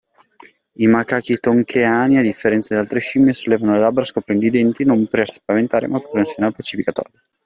I macachi tonkeani, a differenza delle altre scimmie, sollevano le labbra scoprendo i denti non pre spaventare ma come segnale pacificatorio.